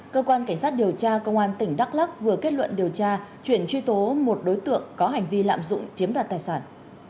cơ quan cảnh sát điều tra công an tỉnh đắk lắc vừa kết luận điều tra chuyển truy tố một đối tượng có hành vi lạm dụng chiếm đoạt tài sản